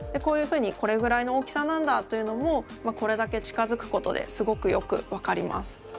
こういうふうにこれぐらいの大きさなんだというのもこれだけ近づくことですごくよく分かります。